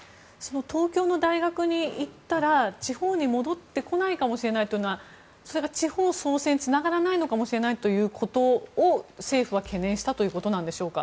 東京の大学に行ったら地方に戻ってこないかもしれないというのはそれが地方創生につながらないのかもしれないということを政府は懸念したということでしょうか。